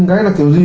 cái là kiểu gì